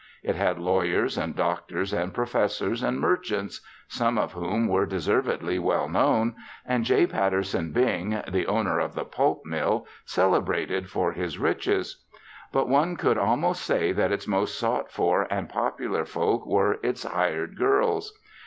It had lawyers and doctors and professors and merchants some of whom were deservedly well known and J. Patterson Bing, the owner of the pulp mill, celebrated for his riches; but one could almost say that its most sought for and popular folk were its hired girls.